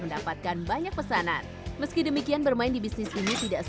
mendapatkan banyak pesanan meski demikian bermain di sepeda itu juga bisa menyebabkan banyak kesan